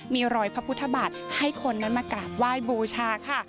มีรอยพระพุทธบาทให้คนนั้นมากราบไหว้บูชาค่ะ